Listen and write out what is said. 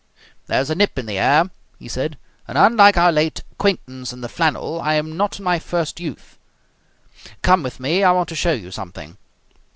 "There is a nip in the air," he said, "and, unlike our late acquaintance in the flannel, I am not in my first youth. Come with me, I want to show you something."